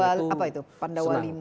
apa itu pandawa v